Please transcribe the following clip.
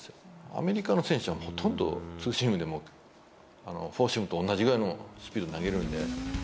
アメリカの選手はほとんどツーシームでも、フォーシームと同じぐらいのスピード投げるんで。